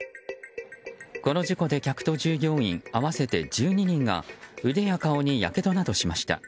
この事故で客と従業員合わせて１２人が腕や顔にやけどなどしました。